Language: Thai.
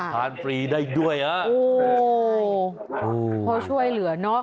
ทานฟรีได้ด้วยโอ้พ่อช่วยเหลือเนาะ